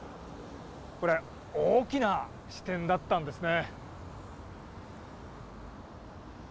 これ、大きな支店だったんですね。